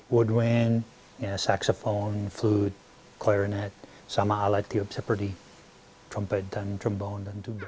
woodwind ya saxophone flute clarinet sama alat tiup seperti trumpet dan trombone dan tuba